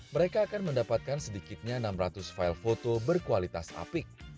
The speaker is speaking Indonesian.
mereka akan mendapatkan sedikitnya enam ratus file foto berkualitas apik